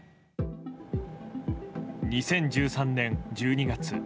２０１３年１２月。